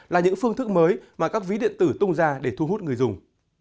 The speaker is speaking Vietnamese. là những phương thức mới mà các ví điện tử tung ra để thu hút người dùng